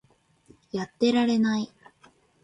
やってられない